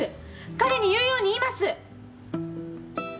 彼に言うように言います！